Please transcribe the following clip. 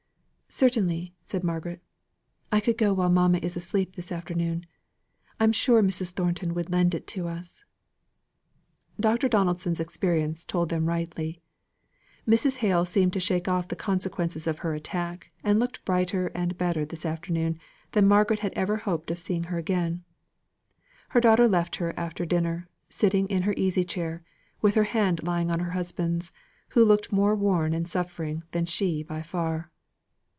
"Certainly," said Margaret. "I could go while mamma is asleep this afternoon. I'm sure Mrs. Thornton would lend it to us." Dr. Donaldson's experience told him rightly. Mrs. Hale seemed to shake off the consequences of her attack, and looked brighter and better this afternoon than Margaret had ever hoped to see her again. Her daughter left her after dinner, sitting in her easy chair, with her hand lying in her husband's, who looked more worn and suffering than she by far.